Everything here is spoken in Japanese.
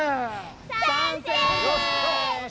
さんせい！